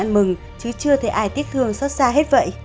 anh đức rất là vui mừng chứ chưa thấy ai tiếc thương xót xa hết vậy